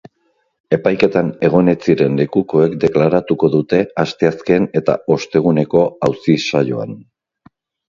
Epaiketan egon ez ziren lekukoek deklaratuko dute asteazken eta osteguneko auzi-saioan.